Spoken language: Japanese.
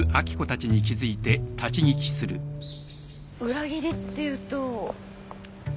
裏切りっていうと？